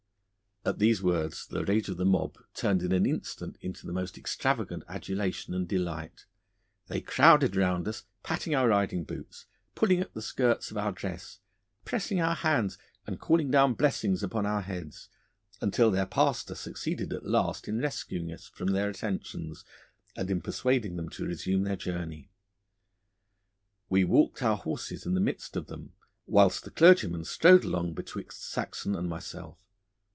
At these words the rage of the mob turned in an instant into the most extravagant adulation and delight. They crowded round us, patting our riding boots, pulling at the skirts of our dress, pressing our hands and calling down blessings upon our heads, until their pastor succeeded at last in rescuing us from their attentions and in persuading them to resume their journey. We walked our horses in the midst of them whilst the clergyman strode along betwixt Saxon and myself.